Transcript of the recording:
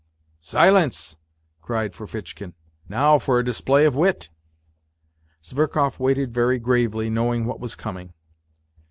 lence !" cried Ferfitchkin. " Now for a display of wit !" Zverkov waited very gravely, knowing what was coming.